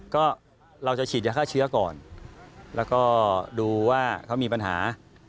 ก็เราจะฉีดยาฆ่าเชื้อก่อนแล้วก็ดูว่าเขามีปัญหา